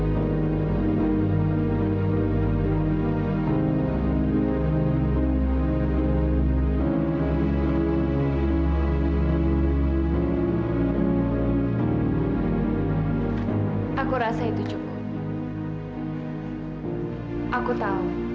sampai jumpa di video selanjutnya